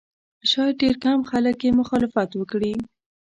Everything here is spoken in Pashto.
شاید ډېر کم خلک یې مخالفت وکړي.